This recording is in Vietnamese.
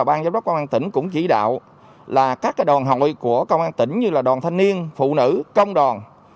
ban giám đốc công an tỉnh cũng chỉ đạo là các đoàn hội của công an tỉnh như là đoàn thanh niên phụ nữ công đoàn